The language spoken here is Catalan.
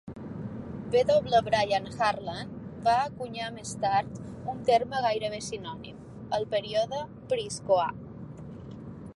W. Brian Harland va encunyar més tard un terme gairebé sinònim: el "període Priscoà".